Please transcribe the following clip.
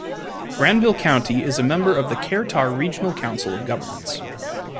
Granville County is a member of the Kerr-Tar Regional Council of Governments.